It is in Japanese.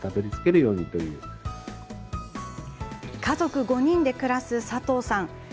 家族５人で暮らす佐藤さん。